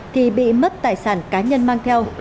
thì bị mất tài sản cá nhân mang theo